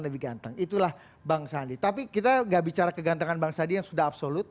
lebih ganteng itulah bang sandi tapi kita nggak bicara kegantengan bang sandi yang sudah absolut